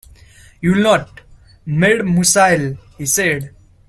"You will not, mademoiselle," he said.